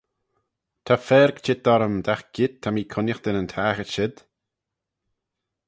Ta farg çheet orrym dagh keayrt ta mee cooniaghtyn yn taghtyrt shid.